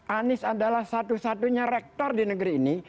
anies adalah satu satunya rektor di negeri ini